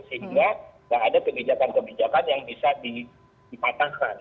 sehingga tidak ada kebijakan kebijakan yang bisa dipatahkan